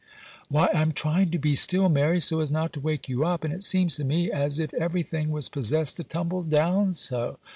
'Why I am trying to be still, Mary, so as not to wake you up, and it seems to me as if everything was possessed to tumble down so.